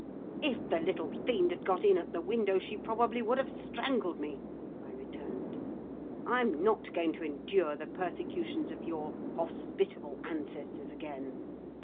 "If the little fiend had got in at the window, she probably would have strangled me!" I returned. "I'm not going to endure the persecutions of your hospitable ancestors again.